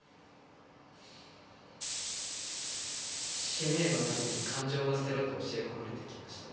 使命のために感情は捨てろと教え込まれてきました。